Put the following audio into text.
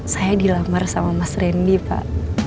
saya dilamar sama mas randy pak